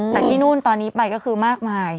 แต่ที่นู่นตอนนี้ไปก็คือมากมาย